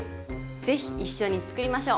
是非一緒に作りましょう！